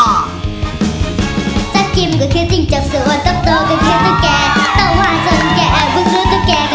จักริมคืออะไรจักริมคือจิ้งจกส่วนต๊กโตก็คือตุ๊กเกค่ะ